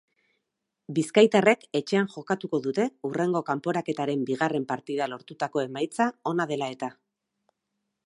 Bizkaitarrek etxean jokatuko dute hurrengo kanporaketaren bigarren partida lortutako emaitza ona dela eta.